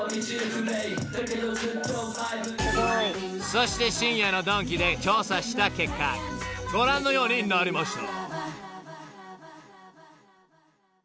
［そして深夜のドンキで調査した結果ご覧のようになりました］